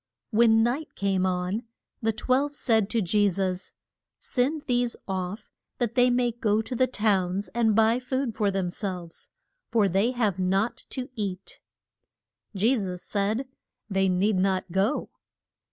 When night came on, the twelve said to Je sus, Send these off that they may go to the towns and buy food for them selves, for they have nought to eat. Je sus said, They need not go.